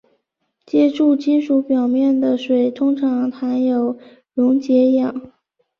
接触金属表面的水通常含有溶解氧。